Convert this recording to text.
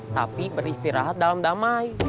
tapi beristirahat dalam damai